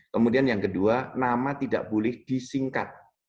kemudian yang kedua nama tidak boleh disingkat